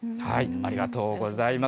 ありがとうございます。